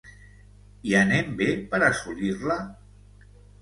I anem bé per assolir-la?